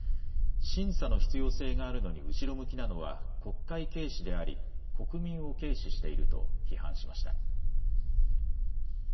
審査の必要性があるのに後ろ向きなのは、国会軽視であり、国民を軽視していると批判しました。